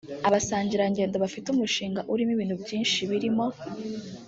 Abasangirangendo bafite umushinga urimo ibintu byinshi birimo